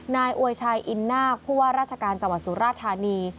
อวยชายอินนาคผู้ว่าราชการจังหวัดสุราธานี